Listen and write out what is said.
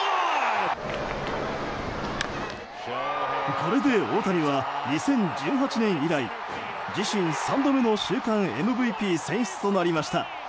これで大谷は２０１８年以来自身３度目の週間ＭＶＰ選出となりました。